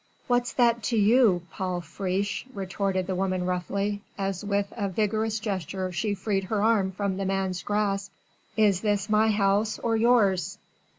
"What's that to you, Paul Friche?" retorted the woman roughly, as with a vigorous gesture she freed her arm from the man's grasp. "Is this my house or yours?"